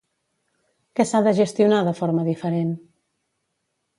Què s'ha de gestionar de forma diferent?